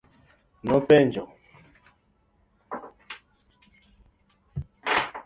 Nopenjo.